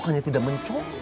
kayaknya smart arms